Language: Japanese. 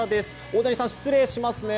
大谷さん、失礼しますね。